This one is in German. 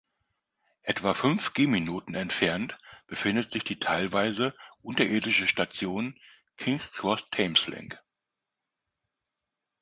Etwa fünf Gehminuten entfernt befindet sich die teilweise unterirdische Station King’s Cross Thameslink.